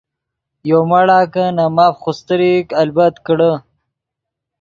یو مڑا کہ نے ماف خوستریک البت کڑے۔